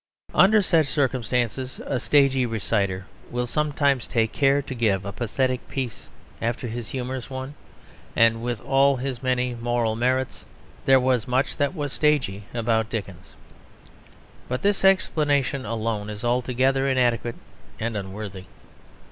Under such circumstances a stagey reciter will sometimes take care to give a pathetic piece after his humorous one; and with all his many moral merits, there was much that was stagey about Dickens. But this explanation alone is altogether inadequate and unworthy.